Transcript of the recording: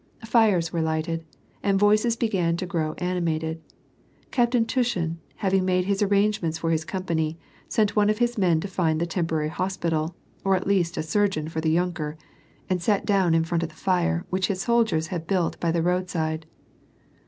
Fires were lighted, and voices began to grow animated. Captain Tushin, having made his arrangements for his com pany, sent one of his men to find the temporary hospital, or at least a surgeon for the yunker, and sat dow^n in front of the fire which his soldiers had built by the roadside.